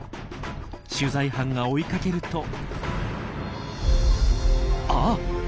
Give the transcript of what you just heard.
取材班が追いかけるとあっ！